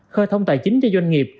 khởi thông tài chính cho doanh nghiệp